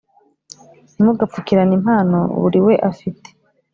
ntimugapfukirane impano buriwe afite